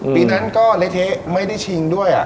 ปีนั้นก็เละเทะไม่ได้ชิงด้วย